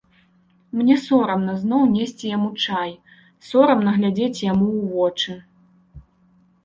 Мне сорамна зноў несці яму чай, сорамна глядзець яму ў вочы.